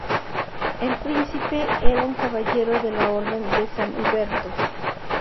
El príncipe era un caballero de la Orden de San Huberto.